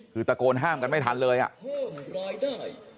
คือตะโกนห้ามกันไม่ทันเลยอ่ะ